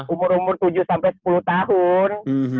umur umur tujuh sampai sepuluh tahun